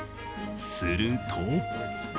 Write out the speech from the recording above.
すると。